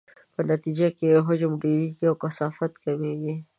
په نتیجې کې یې حجم ډیریږي او کثافت کمیږي.